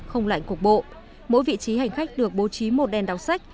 không lạnh cục bộ mỗi vị trí hành khách được bố trí một đèn đọc sách